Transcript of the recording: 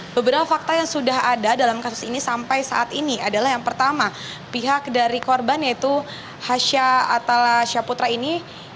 beberapa fakta yang sudah ada dalam kasus ini sampai saat ini adalah yang pertama pihak dari korban yaitu hasha atala syaputra ini